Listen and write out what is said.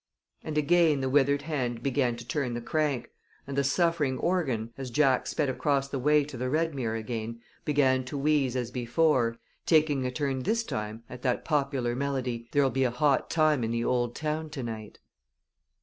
And again the withered hand began to turn the crank, and the suffering organ, as Jack sped across the way to the Redmere again, began to wheeze as before, taking a turn this time at that popular melody, "There'll Be a Hot Time in the Old Town To night."